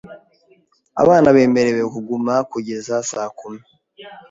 Abana bemerewe kuguma kugeza saa kumi .